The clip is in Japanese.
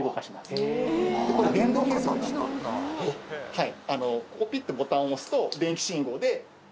はい。